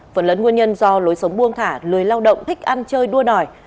phần lớn nguyên nhân do lối sống buông thả lười lao động thích ăn chơi đua đòi